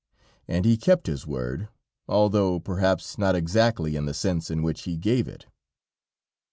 And he kept his word, although, perhaps, not exactly in the sense in which he gave it.